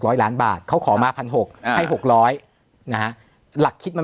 ล้านบาทเขาขอมาพันหกอ่าให้หกร้อยนะฮะหลักคิดมัน